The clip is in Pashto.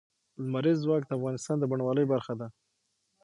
لمریز ځواک د افغانستان د بڼوالۍ برخه ده.